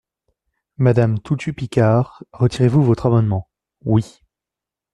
Madame Toutut-Picard, retirez-vous votre amendement ? Oui.